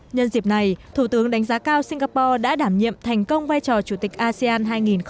nhân dịp này thủ tướng đánh giá cao singapore đã đảm nhiệm thành công vai trò chủ tịch asean hai nghìn hai mươi